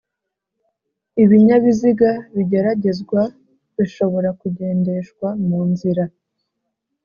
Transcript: Ibinyabiziga bigeragezwa bishobora kugendeshwa mu nzira